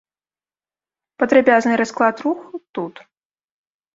Падрабязны расклад руху тут.